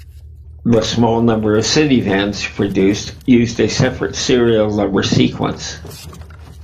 The small number of CitiVans produced used a separate serial number sequence.